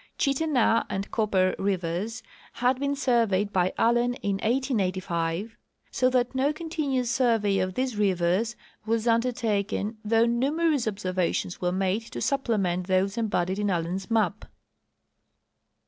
Chittenah and Copi3er rivers had been surveyed by Allen in 1885, so that no continuous survey of these rivers was under taken though numerous observations were made to supplement those embodied in Allen's map.